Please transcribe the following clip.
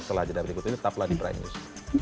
setelah jeda berikut ini tetaplah di prime news